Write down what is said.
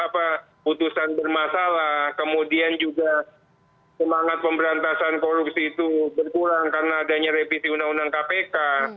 putusan bermasalah kemudian juga semangat pemberantasan korupsi itu berkurang karena adanya revisi undang undang kpk